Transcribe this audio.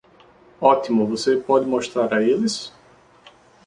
Ótimo, você pode mostrar a eles?